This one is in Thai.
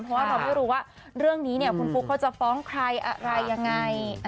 เพราะว่าเราไม่รู้ว่าเรื่องนี้คุณฟุ๊กเขาจะฟ้องใครอะไรยังไง